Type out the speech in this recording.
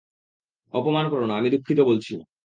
অপমান করো না, আমি দুঃখিত বলছি।